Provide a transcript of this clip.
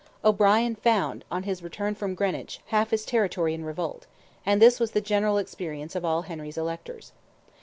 O'Brien found, on his return from Greenwich, half his territory in revolt; and this was the general experience of all Henry's electors.